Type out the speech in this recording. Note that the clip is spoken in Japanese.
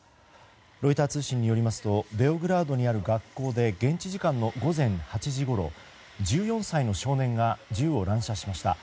ロイター通信によりますとベオグラードにある学校で現地時間の午前８時ごろ１４歳の少年が銃を乱射しました。